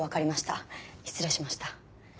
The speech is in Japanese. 失礼しました。